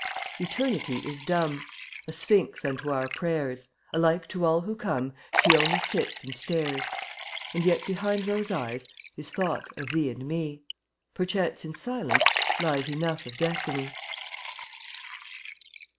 Eternity is dumb, A sphinx unto our prayers, Alike to all who come She only sits and stares; And yet behind those eyes Is thought of thee and me; Perchance in silence lies Enough of destiny.